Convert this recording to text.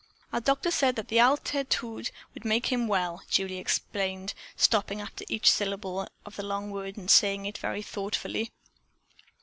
"Our doctor said the al te tood would make him well," Julie explained, stopping after each syllable of the long word and saying it very thoughtfully.